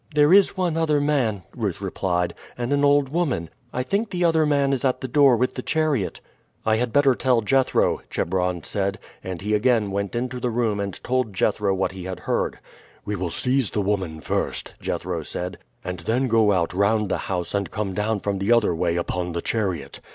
"There is one other man," Ruth replied, "and an old woman; I think the other man is at the door with the chariot." "I had better tell Jethro," Chebron said, and he again went into the room and told Jethro what he had heard. "We will seize the woman first," Jethro said, "and then go out round the house and come down from the other way upon the chariot.